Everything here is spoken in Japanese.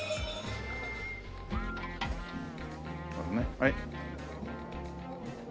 はい。